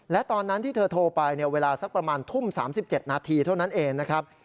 และตอนนั้นที่เธอโทรไปเวลาสักประมาณทุ่ม๓๗นาทีเท่านั้นเองนะครับ